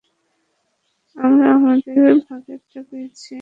আমরা আমাদের ভাগেরটা পেয়েছি।